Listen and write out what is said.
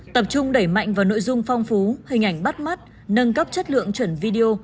tập trung đẩy mạnh vào nội dung phong phú hình ảnh bắt mắt nâng cấp chất lượng chuẩn video